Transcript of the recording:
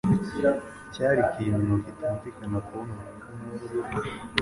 Cyari ikintu kitunvikana kubona urupfu nk'urwo,